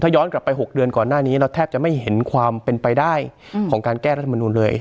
ย้อนกลับไป๖เดือนก่อนหน้านี้เราแทบจะไม่เห็นความเป็นไปได้ของการแก้รัฐมนุนเลย